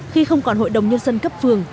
khi không còn hội đồng nhân dân cấp phường